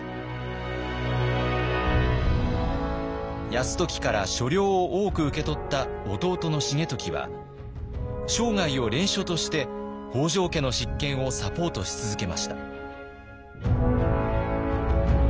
泰時から所領を多く受け取った弟の重時は生涯を「連署」として北条家の執権をサポートし続けました。